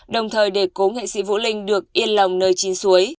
đồng thời để cố nghệ sĩ vũ linh được yên lòng nơi chín suối